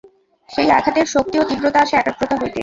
সেই আঘাতের শক্তি ও তীব্রতা আসে একাগ্রতা হইতে।